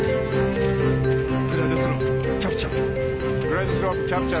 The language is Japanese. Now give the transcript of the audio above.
グライドスロープキャプチャー。